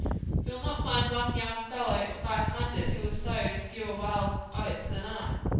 You'll not find one young fellow in five hundred who has sowed fewer wild oats than I."